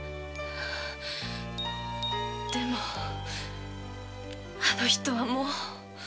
でもあの人はもう。